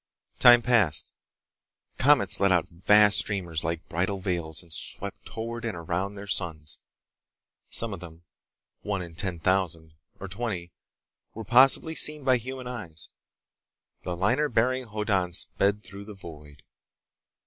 Time passed. Comets let out vast streamers like bridal veils and swept toward and around their suns. Some of them—one in ten thousand, or twenty—were possibly seen by human eyes. The liner bearing Hoddan sped through the void.